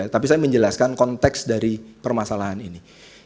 tapi saya menjelaskan konteks dari permasalahan ini